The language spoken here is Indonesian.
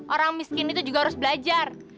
orang miskin itu juga harus belajar